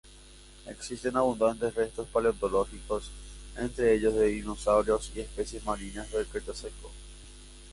Existen abundantes restos paleontológicos, entre ellos de dinosaurios y especies marinas del cretácico.